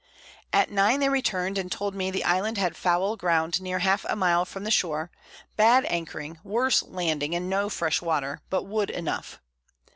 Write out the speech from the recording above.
At 9 they return'd, and told me the Island had foul Ground near half a Mile from the Shore; bad Anchoring, worse Landing, and no fresh Water; but Wood enough.